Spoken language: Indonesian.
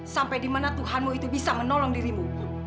sampai di mana tuhanmu itu bisa menolong dirimu